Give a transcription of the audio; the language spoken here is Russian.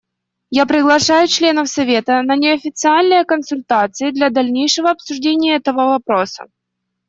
Я приглашаю членов Совета на неофициальные консультации для дальнейшего обсуждения этого вопроса.